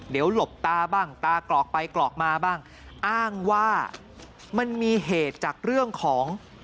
เดี๋ยวหลบตาบ้างตากรอกไปกรอกมาบ้างอ้างว่ามันมีเหตุจากเรื่องของ